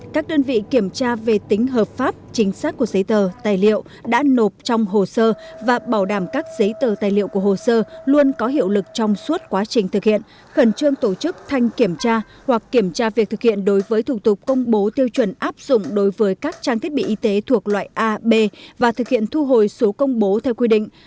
các đơn vị kiểm tra về tính hợp pháp chính xác của giấy tờ tài liệu đã nộp trong hồ sơ và bảo đảm các giấy tờ tài liệu của hồ sơ luôn có hiệu lực trong suốt quá trình thực hiện khẩn trương tổ chức thanh kiểm tra hoặc kiểm tra việc thực hiện đối với thủ tục công bố tiêu chuẩn áp dụng đối với các trang thiết bị y tế thuộc loại a b và thực hiện thu hồi số công bố theo quy định